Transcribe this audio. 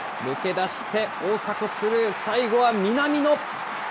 抜け出して、大迫スルー、最後は南野。